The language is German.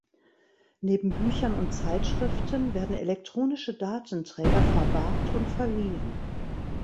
Neben Büchern und Zeitschriften werden elektronische Datenträger verwahrt und verliehen.